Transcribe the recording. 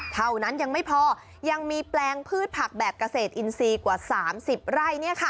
เท่านั้นยังไม่พอยังมีแปลงพืชผักแบบเกษตรอินทรีย์กว่า๓๐ไร่